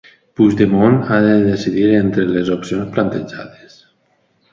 Puigdemont ha de decidir entre les opcions plantejades.